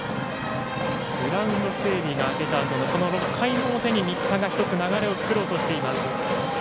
グラウンド整備が明けたあとの６回の表に新田が一つ流れを作ろうとしています。